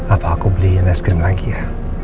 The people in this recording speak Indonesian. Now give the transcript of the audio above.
apa aku beliin es krim lagi ya